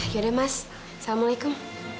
yaudah mas assalamualaikum